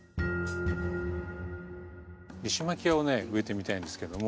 リシマキアを植えてみたいんですけども。